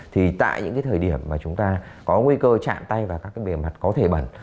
thì tại những cái thời điểm mà chúng ta có nguy cơ chạm tay vào các cái bề mặt có thể bẩn